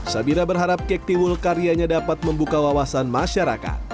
sabira berharap kek tiwul karyanya dapat membuka wawasan masyarakat